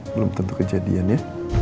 belum tentu kejadian ya